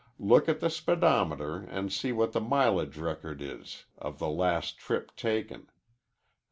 Look at the speedometer an' see what the mileage record is of the last trip taken.